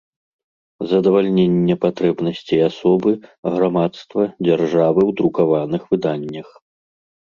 Задавальненне патрэбнасцей асобы, грамадства, дзяржавы ў друкаваных выданнях.